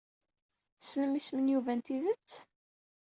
Tessnem isem n Yuba n tidet?